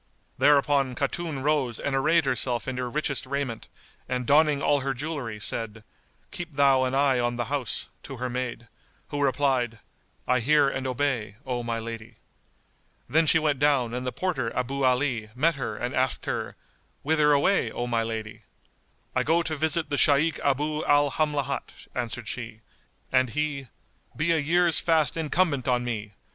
Thereupon Khatun rose and arrayed herself in her richest raiment, and donning all her jewellery said, "Keep thou an eye on the house," to her maid, who replied, "I hear and obey, O my lady." Then she went down and the porter Abu Ali met her and asked her, "Whither away, O my lady?" "I go to visit the Shaykh Abu al Hamlat;" answered she; and he, "Be a year's fast incumbent on me!